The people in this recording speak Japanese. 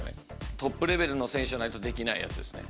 トップレベルの選手じゃないと、できないやつですね。